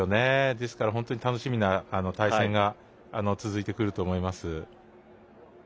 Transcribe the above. ですから本当に楽しみな対戦が続いてくると思います。